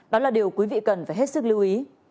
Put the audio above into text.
đó là điều quý vị cần phải hết sức lưu ý